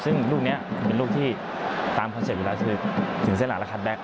ซึ่งรูปนี้เป็นรูปที่ตามคอนเซ็ปต์เวลาถึงเส้นหลักและคัดแบ็ค